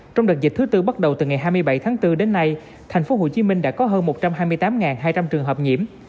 trong đợt dịch thứ tư bắt đầu từ ngày hai mươi bảy tháng bốn đến nay thành phố hồ chí minh đã có hơn một trăm hai mươi tám hai trăm linh trường hợp nhiễm